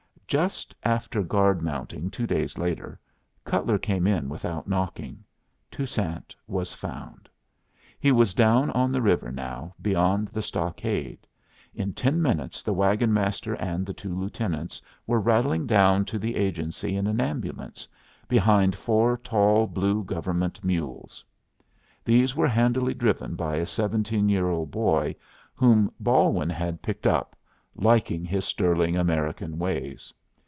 Just after guard mounting two days later, Cutler came in without knocking. Toussaint was found. He was down on the river now, beyond the stockade. In ten minutes the wagon master and the two lieutenants were rattling down to the agency in an ambulance, behind four tall blue government mules. These were handily driven by a seventeen year old boy whom Balwin had picked up, liking his sterling American ways.